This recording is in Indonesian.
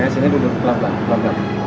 sini duduk pelan pelan